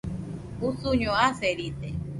usuño aseride